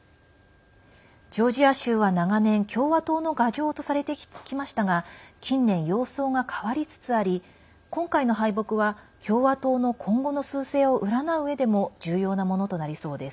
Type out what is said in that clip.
ジョージア州は長年共和党の牙城とされてきましたが近年、様相が変わりつつあり今回の敗北は、共和党の今後のすう勢を占ううえでも重要なものとなりそうです。